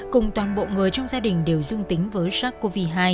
cùng toàn bộ người trong gia đình đều dương tính với sars cov hai